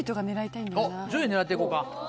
１０位狙って行こうか。